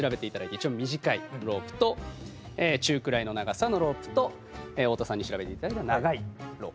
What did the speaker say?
一応短いロープと中くらいの長さのロープと太田さんに調べていただいた長いロープです。